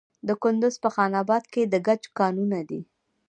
د کندز په خان اباد کې د ګچ کانونه دي.